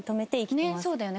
ねえそうだよね。